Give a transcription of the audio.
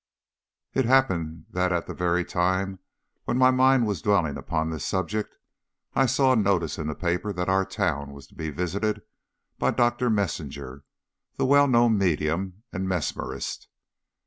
It happened that at the very time when my mind was dwelling upon this subject, I saw a notice in the paper that our town was to be visited by Dr. Messinger, the well known medium and mesmerist.